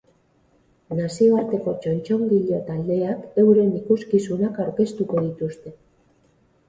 Nazioarteko txontxongilo taldeak euren ikuskizunak aurkeztuko dituzte.